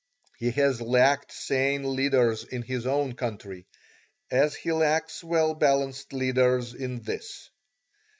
He has lacked sane leaders in his own country, as he lacks well balanced leaders in this.